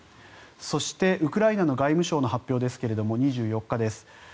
そして、ウクライナの外務省の発表ですが２４日です。